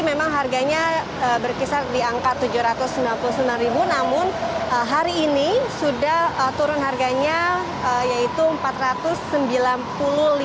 memang harganya berkisar di angka rp tujuh ratus sembilan puluh sembilan namun hari ini sudah turun harganya yaitu rp empat ratus sembilan puluh